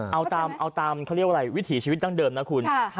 เอาตามเขาเรียกว่าอะไรวิถีชีวิตดั้งเดิมนะคุณ